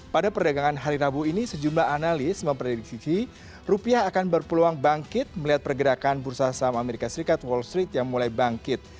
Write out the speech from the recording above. pada perdagangan hari rabu ini sejumlah analis memprediksi rupiah akan berpeluang bangkit melihat pergerakan bursa saham amerika serikat wall street yang mulai bangkit